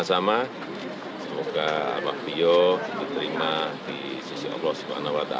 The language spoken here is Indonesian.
semoga bapak bijo diterima di sisi allah swt